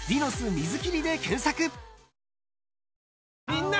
みんな！